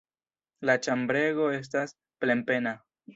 La ĉambrego estas plenplena.